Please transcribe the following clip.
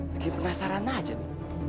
bikin penasaran aja nih